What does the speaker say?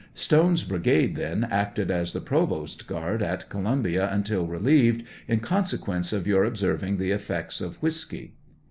Stone's brigade, then, acted as the provost guard at Columbia until relieved in consequence of your ob serving the effects of whiskey